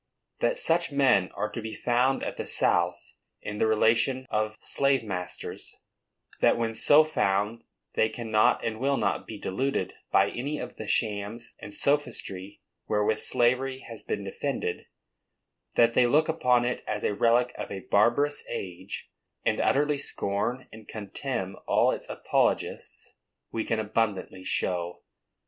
That such men are to be found at the South in the relation of slave masters, that when so found they cannot and will not be deluded by any of the shams and sophistry wherewith slavery has been defended, that they look upon it as a relic of a barbarous age, and utterly scorn and contemn all its apologists, we can abundantly show.